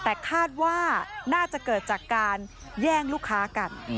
แต่คาดว่าน่าจะเกิดจากการแย่งลูกค้ากัน